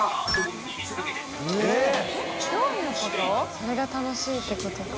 それが楽しいってことか。